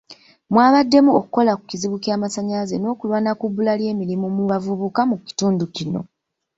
Mwabaddemu okukola ku kizibu ky'amasannyalaze n'okulwana ku bbula ly'emirimu mu bavubuka mu kitundu kino.